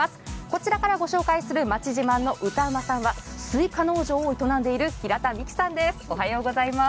こちらからご紹介する町自慢の歌うまさんは、スイカ農場を営んでいる平田美貴さんです。